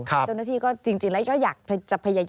เจ้าหน้าที่จริงก็อยากจะพยายามเข้ามาช่วยเขาไปช่วยเขาไปช่วย